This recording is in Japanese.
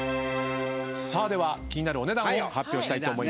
さあでは気になるお値段を発表したいと思います。